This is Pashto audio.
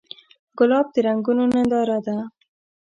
ګلاب د رنګونو ننداره ده.